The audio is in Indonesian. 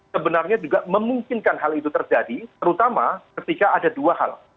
sebenarnya juga memungkinkan hal itu terjadi terutama ketika ada dua hal